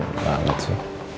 mengangguk banget sih